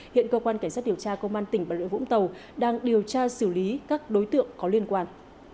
hiện cơ quan cảnh sát điều tra công an tỉnh bà rịa vũng tàu đang điều tra xử lý các đối tượng có liên quan